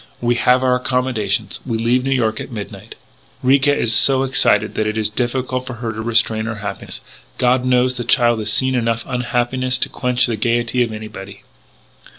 We have our accommodations. We leave New York at midnight. "Ricca is so excited that it is difficult for her to restrain her happiness. God knows the child has seen enough unhappiness to quench the gaiety of anybody!